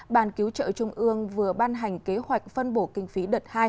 bàn cứu trợ trung ương vừa ban hành kế hoạch phân bổ kinh phí đợt hai